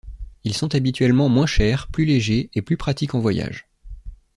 Ils sont habituellement moins chers, plus légers et plus pratiques en voyage.